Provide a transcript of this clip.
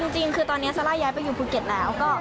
จริงคือตอนนี้ซาร่าย้ายไปอยู่ภูเก็ตแล้ว